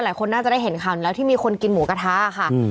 หลายคนน่าจะได้เห็นข่าวแล้วที่มีคนกินหมูกระทะค่ะ